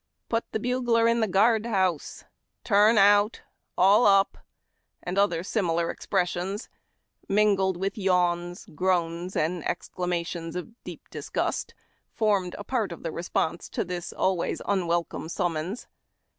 " Put the bugler in the guard house !"— u Xurn out !"—" All up !"— and other similar expressions, mingled with yawns, groans, and exclamations of deep dis gust"^ formed a part of the response to this always unwelcome summons.